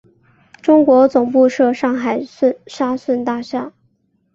中国总部设上海沙逊大厦。